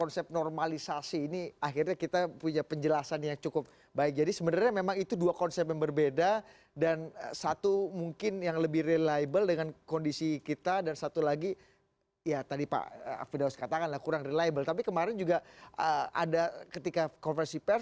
cnn indonesia breaking news